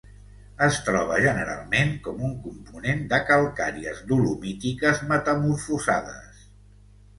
Es troba generalment com un component de calcàries dolomítiques metamorfosades.